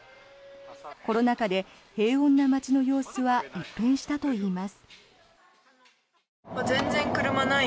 コロナ禍で平穏な街の様子は一変したといいます。